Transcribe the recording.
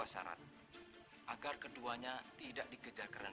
saya akan kecari